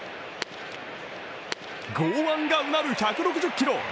剛腕がうなる１６０キロ。